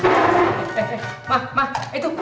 eh eh mak mak itu